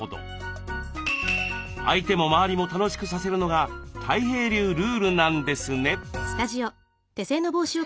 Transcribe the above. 相手も周りも楽しくさせるのがたい平流ルールなんですね。